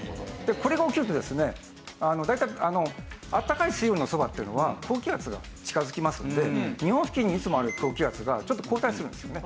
これが起きるとですね大体温かい水温のそばっていうのは高気圧が近づきますので日本付近にいつもある高気圧がちょっと後退するんですよね。